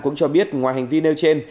cũng cho biết ngoài hành vi nêu trên